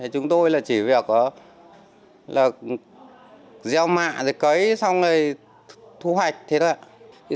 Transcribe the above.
chúng tôi chỉ việc gieo mạ rồi cấy xong rồi thu hoạch thôi